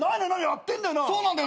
やってんだよな。